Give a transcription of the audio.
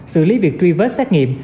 xử lý việc truy vết xét nghiệm